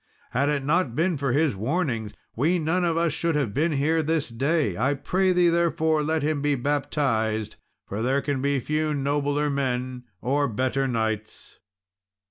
Had it not been for his warnings, we none of us should have been here this day. I pray thee, therefore, let him be baptized, for there can be few nobler men, or better knights."